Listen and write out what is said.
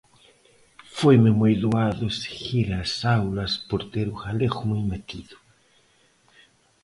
Foime moi doado seguir as aulas por ter o galego moi metido.